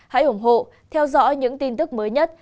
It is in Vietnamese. hãy ủng hộ theo dõi những tin tức mới nhất